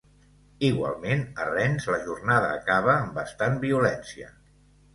Igualment, a Rennes la jornada acaba amb bastant violència.